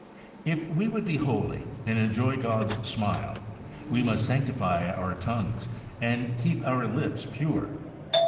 If we would be holy, and enjoy God's smile, we must sanctify our tongues, and keep our lips pure.